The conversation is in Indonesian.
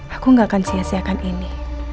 aku gak akan sia siakan ini